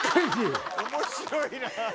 面白いな！